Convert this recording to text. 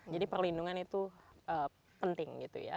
jadi perlindungan itu penting gitu ya